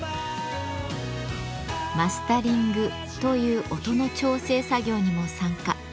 「マスタリング」という音の調整作業にも参加。